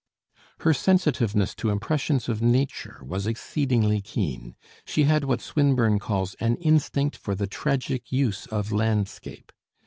Her sensitiveness to impressions of nature was exceedingly keen. She had what Swinburne calls "an instinct for the tragic use of landscape."